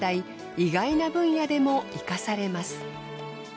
意外な分野でも生かされます。